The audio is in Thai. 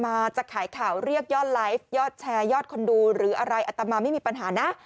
จะขายข่าวเรียกยอดไลฟ์ยอดแชร์ยอดคนดูหรืออะไรอัตมาไม่มีปัญหานะ